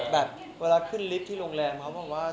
แบบเวลาขึ้นลิฟต์ที่โรงแรมเขาบอกว่า